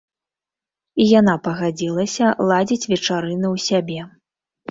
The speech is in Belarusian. І яна пагадзілася ладзіць вечарыны ў сябе.